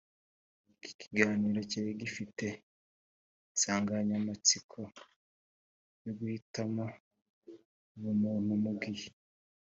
iki kiganiro cyari gifite insanganyamatsiko yo guhitamo ubumuntu mugihe